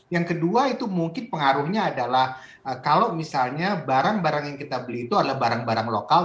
yang kedua itu mungkin pengaruhnya adalah kalau misalnya barang barang yang kita beli itu adalah barang barang lokal